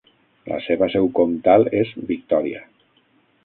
La seva seu comtal és Victòria.